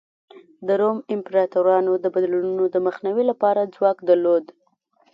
د روم امپراتورانو د بدلونونو د مخنیوي لپاره ځواک درلود.